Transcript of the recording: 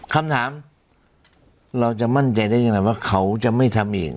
คำถามเราจะมั่นใจได้ยังไงว่าเขาจะไม่ทำเอง